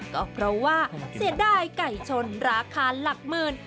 ก็เพราะว่าเสียดายไก่ชนราคาหลักหมื่น